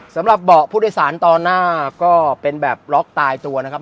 สำหรับเบาะผู้โดยสารตอนหน้าก็เป็นแบบล็อกตายตัวนะครับ